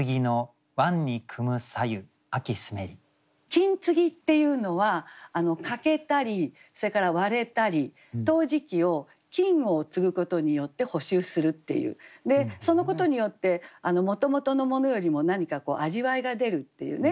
「金継ぎ」っていうのは欠けたりそれから割れたり陶磁器を金を継ぐことによって補修するっていうそのことによってもともとの物よりも何かこう味わいが出るっていうね